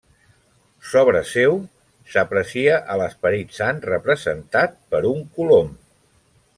Sobre seu s'aprecia a l'Esperit Sant representat per un colom.